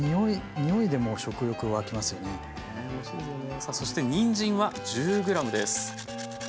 さあそしてにんじんは１０ｇです。